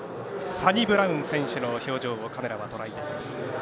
サニブラウン選手の表情をカメラはとらえています。